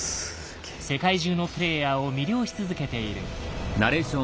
世界中のプレイヤーを魅了し続けている。